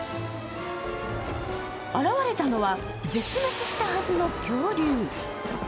現れたのは、絶滅したはずの恐竜。